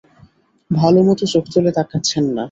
ভালোমতো চোখ তুলে তাকাচ্ছেন না।